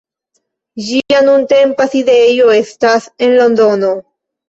Ĝia nuntempa sidejo estas en Londono.